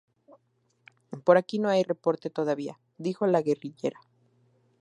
Por aquí no hay reporte todavía" -dijo la guerrillera-.